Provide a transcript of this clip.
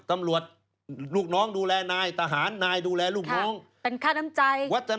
ตำรวจลูกน้องดูแลนายทหารนายดูแลลูกน้องค่ะเป็นคราชน้ำใจ